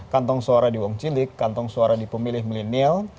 kantong suara di wong cilik kantong suara di pemilih milenial